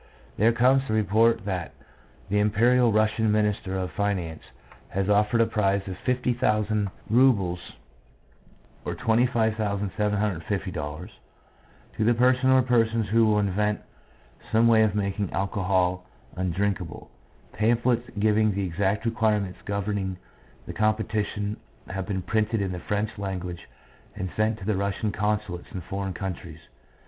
There comes the report that the Imperial Russian Minister of Finance has offered a prize of 50,000 roubles 6 PSYCHOLOGY OF ALCOHOLISM. ($25,750) to the person or persons who will invent some way of making alcohol undrinkable. Pamphlets giving the exact requirements governing the competi tion have been printed in the French language and sent to the Russian consulates in foreign countries.